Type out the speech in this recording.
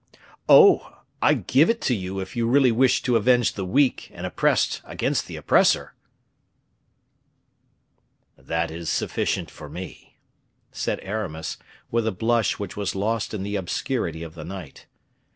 "Oh! I give it you if you really wished to avenge the weak and oppressed against the oppressor." "That is sufficient for me," said Aramis, with a blush which was lost in the obscurity of the night.